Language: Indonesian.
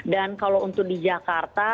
dan kalau untuk di jakarta